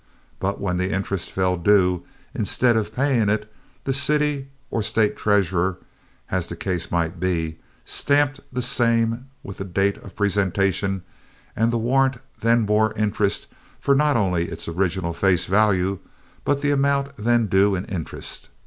but when the interest fell due, instead of paying it, the city or State treasurer, as the case might be, stamped the same with the date of presentation, and the warrant then bore interest for not only its original face value, but the amount then due in interest.